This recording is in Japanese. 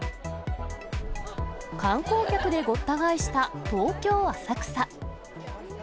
観光客でごった返した東京・浅草。